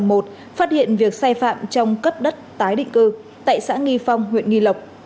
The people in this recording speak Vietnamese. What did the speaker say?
phát hiện việc sai phạm trong cấp đất tái định cư tại xã nghi phong huyện nghi lộc